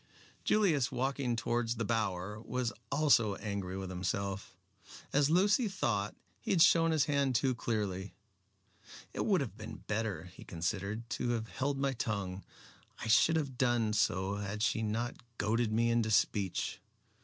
Julius, walking towards the Bower, was also angry with himself. As Lucy thought, he had shown his hand too clearly. "It would have been better," he considered, "to have held my tongue. I should have done so had she not goaded me into speech.